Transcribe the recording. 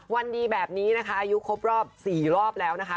วันดีแบบนี้นะคะอายุครบรอบ๔รอบแล้วนะคะ